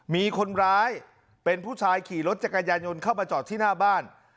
มีคนร้ายเป็นผู้ชายขี่รถจักรยานยนต์เข้ามาจอดที่หน้าบ้าน